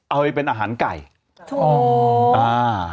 เอาไปเป็นอาหารไก่ถูกอ่า